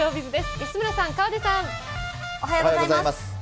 安村さん、おはようございます。